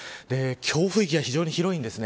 強風域が非常に広いんです。